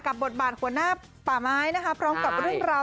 กับบทบาทขวนหน้าป่าไม้นะคะ